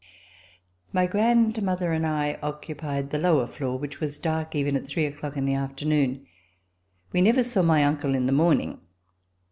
My grandmother and I occupied the lower floor, which was dark even at three o'clock in the afternoon. We never saw my uncle in the morning.